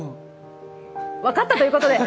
分かったということで。